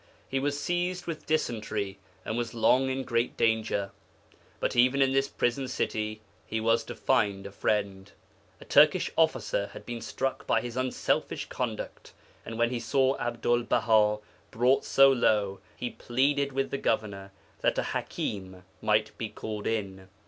He was seized with dysentery, and was long in great danger. But even in this prison city he was to find a friend. A Turkish officer had been struck by his unselfish conduct, and when he saw Abdul Baha brought so low he pleaded with the governor that a ḥakîm might be called in.